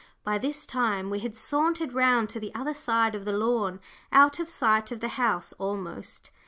By this time we had sauntered round to the other side of the lawn, out of sight of the house almost.